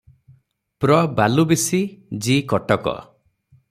ପ୍ର ବାଲୁବିଶି ଜି କଟକ ।